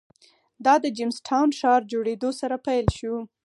دا د جېمز ټاون ښار جوړېدو سره پیل شو.